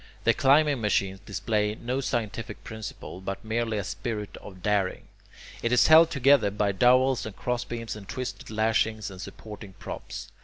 The climbing machine displays no scientific principle, but merely a spirit of daring. It is held together by dowels and crossbeams and twisted lashings and supporting props.